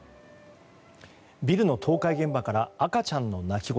ビルの倒壊現場から赤ちゃんの泣き声。